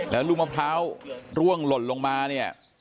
แล้วลูกมะพร้าวร่วงหล่นลงมาเนี่ย